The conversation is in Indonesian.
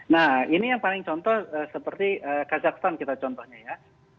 nah ini yang paling contoh seperti kazakhstan kita contohnya ya